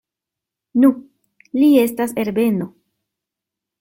Nu, li estas Herbeno!